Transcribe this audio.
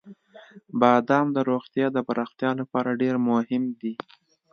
• بادام د روغتیا د پراختیا لپاره ډېر مهم دی.